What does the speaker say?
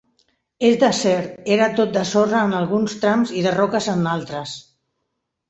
Es desert era tot de sorra en alguns trams i de roques en altres.